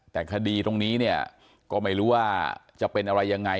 แต่คดีตรงนี้เนี่ยก็ไม่รู้ว่าจะเป็นอะไรยังไง